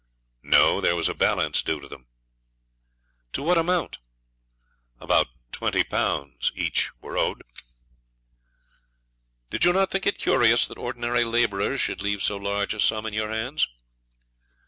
'No, there was a balance due to them.' 'To what amount?' 'About twenty pounds each was owing.' 'Did you not think it curious that ordinary labourers should leave so large a sum in your hands?'